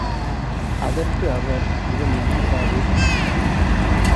அதற்கு அவர், இவன் என்ன சாதி?